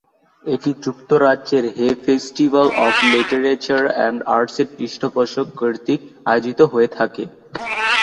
এটি যুক্তরাজ্যের Hay festival of literature and আর্টসের পৃষ্ঠপোষক কর্তৃক আয়োজিত হয়ে থাকে।